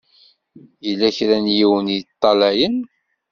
Yella kra n yiwen i yeṭṭalayen.